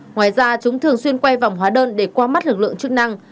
ngoài ra chúng thường xuyên quay vòng hóa đơn để qua mắt lực lượng chức năng